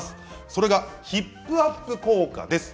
それがヒップアップ効果です。